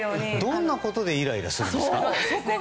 どんなことでイライラするんですか？